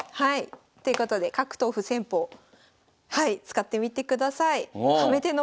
ということで角頭歩戦法はい使ってみてください。